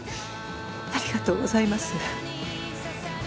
ありがとうございます。